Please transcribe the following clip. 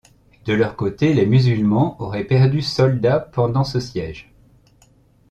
De leur côté, les musulmans auraient perdu soldats pendant ce siège.